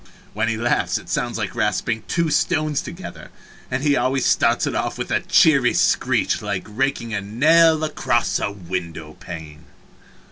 When he laughs it sounds like rasping two stones together, and he always starts it off with a cheery screech like raking a nail across a window pane.